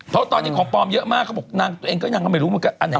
เพราะตอนนี้ของปอมเยอะมากเขาบอกนางตัวเองก็ยังไม่รู้มันก็อันไหนจริง